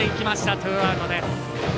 ツーアウトです。